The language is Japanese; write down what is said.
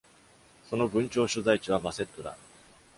その郡庁所在地はバセットだ。